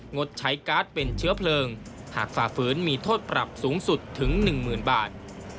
งดใช้การ์ดเป็นเชื้อเพลิงหากฝ่าฝืนมีโทษปรับสูงสุดถึง๑๐๐๐บาท